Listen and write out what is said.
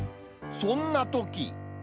そんなとき。